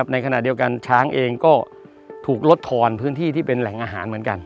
ในขณะเดียวกันช้างเองก็ถูกลดทอนพื้นที่ที่เป็นแหล่งอาหารเหมือนกัน